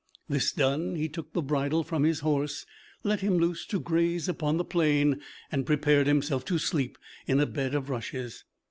This done he took the bridle from his horse, let him loose to graze upon the plain, and prepared himself to sleep in a bed of rushes.